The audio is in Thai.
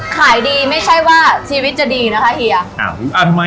ขายดีไม่ใช่ว่าชีวิตจะดีนะคะเฮีย